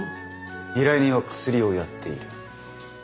依頼人はクスリをやっている。